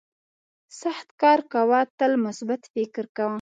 سخت کار کوه تل مثبت فکر کوه.